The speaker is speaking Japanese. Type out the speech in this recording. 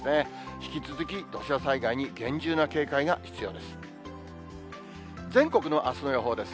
引き続き、土砂災害に厳重な警戒が必要です。